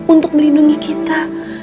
untuk melindungi kita